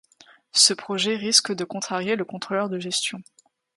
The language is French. Ce projet risque de contrarier le contrôleur de gestion.